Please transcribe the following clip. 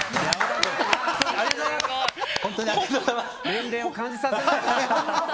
年齢を感じさせないね。